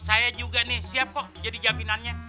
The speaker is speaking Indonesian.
saya juga nih siap kok jadi jaminannya